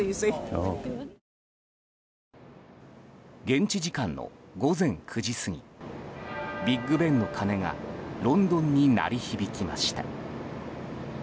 現地時間の午前９時過ぎビッグベンの鐘がロンドンに鳴り響きました。